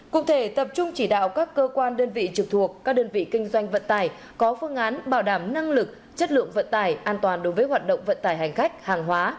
cụ thể tập trung chỉ đạo các cơ quan đơn vị trực thuộc các đơn vị kinh doanh vận tải có phương án bảo đảm năng lực chất lượng vận tải an toàn đối với hoạt động vận tải hành khách hàng hóa